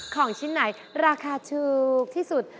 ของชิ้นไหนราคาถูกที่สุด